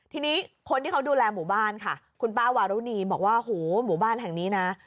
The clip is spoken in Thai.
ทีนี้คนที่เขาดูแลหมู่บ้านค่ะคุณป้าวารุณีบอกว่าโหหมู่บ้านแห่งนี้นะ